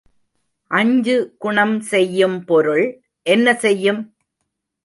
அஞ்சு குணம் செய்யும் பொருள் என்ன செய்யும்?